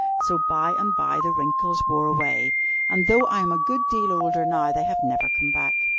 So by and by the wrinkles wore away, and though I am a good deal older now, they have never come back.